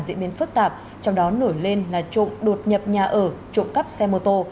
diễn biến phức tạp trong đó nổi lên là trộm đột nhập nhà ở trộm cắp xe mô tô